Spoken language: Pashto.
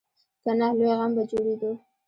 که نه، لوی غم به جوړېدو.